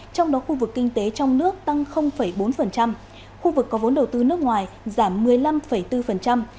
trong đó khu vực kinh tế trong nước tăng bốn khu vực có vốn đầu tư nước ngoài giảm một mươi năm bốn